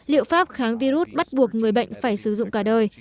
liệu pháp kháng virus bắt buộc người bệnh phải sử dụng cả đời